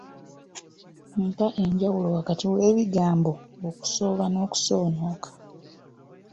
Mpa enjawulo wakati w'ebigambo: Okusooba n'okusoonooka.